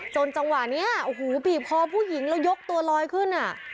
จนจังหวะนี้บีบคอผู้หญิงยกตัวลอยขึ้น